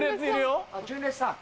純烈さん